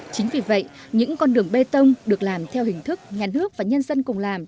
chính vì vậy những con đường bê tông được làm theo hình thức nhà nước và nhân dân cùng làm